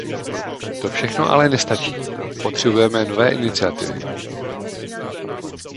To všechno ale nestačí; potřebujeme nové iniciativy.